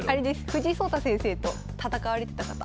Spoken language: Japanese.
藤井聡太先生と戦われてた方。